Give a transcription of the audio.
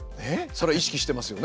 それは意識してますよね？